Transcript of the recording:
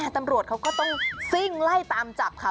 ตำรวจเขาก็ต้องซิ่งไล่ตามจับค่ะ